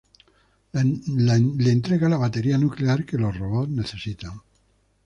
Le entrega la batería nuclear que los robots necesitan.